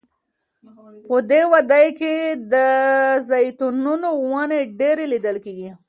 په دې وادۍ کې د زیتونو ونې ډیرې لیدل کیږي.